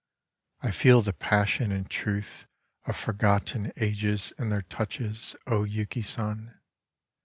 I feel the passion and Truth of forgotten ages in their touches, O Yuki San